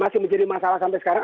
masih menjadi masalah sampai sekarang